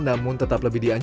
namun tetap lebih diperhatikan